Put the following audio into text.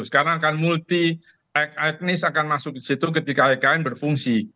sekarang akan multi etnis akan masuk di situ ketika ikn berfungsi